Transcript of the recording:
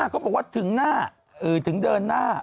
เขาบอกว่าถึงเดินหน้า